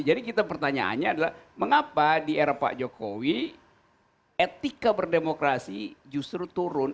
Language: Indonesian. jadi pertanyaannya adalah mengapa di era pak jokowi etika berdemokrasi justru turun